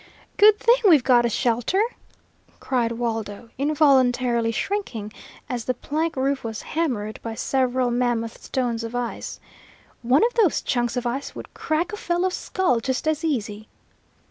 "Good thing we've got a shelter!" cried Waldo, involuntarily shrinking as the plank roof was hammered by several mammoth stones of ice. "One of those chunks of ice would crack a fellow's skull just as easy!"